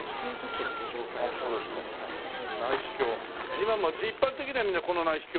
今もう一般的にはみんなこの内視鏡？